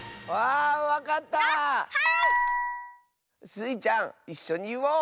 スイちゃんいっしょにいおう！